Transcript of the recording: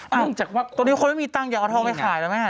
ตรงนี้คนไม่มีตังค์อยากเอาทองไปขายนะแม่